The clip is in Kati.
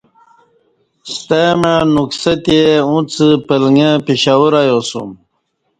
ستمع نکسہ تے اݩڅ پلکہ پشاور ایاسوم